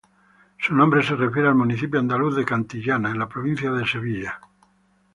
Su nombre se refiere al municipio andaluz de Cantillana, en la provincia de Sevilla.